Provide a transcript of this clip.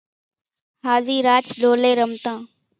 هازِي راچ ڍولين رمتان۔